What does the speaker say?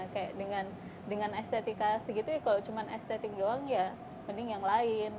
kayak dengan estetika segitu ya kalau cuma estetik doang ya mending yang lain